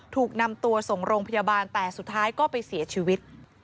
ถูกนำตัวส่งโรงพยาบาลแต่สุดท้ายก็ไปเสียชีวิต